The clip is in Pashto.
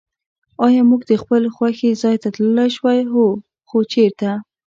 آیا موږ د خپل خوښي ځای ته تللای شوای؟ هو. خو چېرته؟